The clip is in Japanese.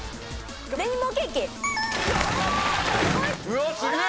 うわっすげえ！